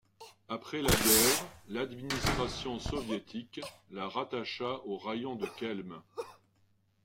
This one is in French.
Après la guerre, l'administration soviétique la rattacha au raïon de Kelme.